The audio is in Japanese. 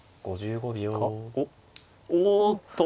おっおおっと。